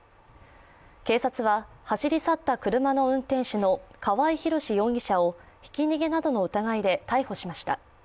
警察は走り去った車の運転手の川合広司容疑者をひき逃げなどの疑いで逮捕しました。